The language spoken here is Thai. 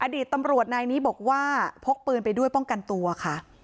อดีตตำรวจนายนี้บอกว่าพกปืนไปด้วยป้องกันตัวค่ะ